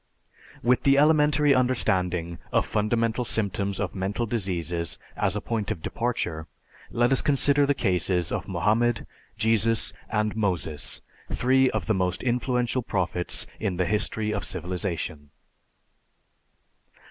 With the elementary understanding of fundamental symptoms of mental diseases as a point of departure, let us consider the cases of Mohammed, Jesus, and Moses, three of the most influential prophets in the history of civilization.